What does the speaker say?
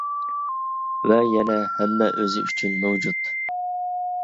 ۋە يەنە ھەممە ئۆزى ئۈچۈن مەۋجۇت!